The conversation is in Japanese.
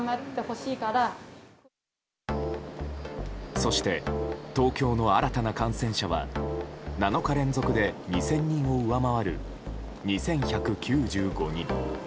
そして東京の新たな感染者は７日連続で２０００人を上回る２１９５人。